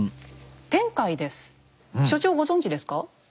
所長ご存じですか？